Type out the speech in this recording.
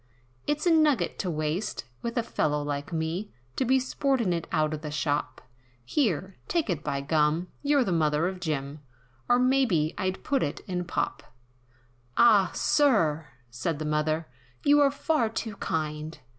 "It's a nugget to waste, with a fellow like me, To be sportin' it out of the shop, Here! take it by gum! you're the mother of Jim! Or maybe I'd put it in pop." "Ah! Sir" said the mother "You're far too kind!"